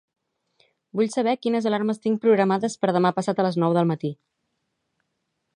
Vull saber quines alarmes tinc programades per demà passat a les nou de matí.